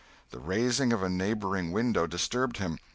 The raising of a neighboring window disturbed him.